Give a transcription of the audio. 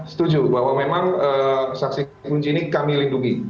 setuju bahwa memang saksi kunci ini kami lindungi